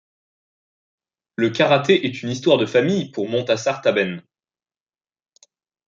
Le karaté est une histoire de famille pour Montassar Tabben.